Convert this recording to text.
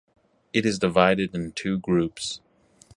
It is divided in two groups.